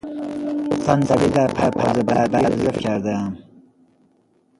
دو صندلی در پرواز بعدی رزرو کردهام.